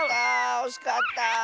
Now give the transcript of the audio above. おしかった！